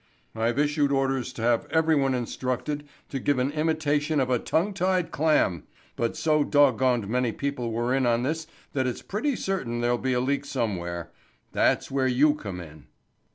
"I've issued orders to have everyone instructed to give an imitation of a tongue tied clam, but so dog goned many people were in on this that it's pretty certain there'll be a leak somewhere. That's where you come in."